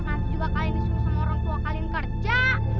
nanti juga kalian disuruh sama orang tua kalian kerja